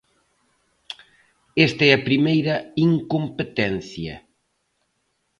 Esta é a primeira incompetencia.